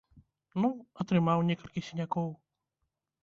Ну, атрымаў некалькі сінякоў.